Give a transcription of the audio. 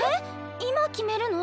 今決めるの？